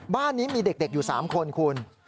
บ้านนี้มีเด็กอยู่๓คนคุณ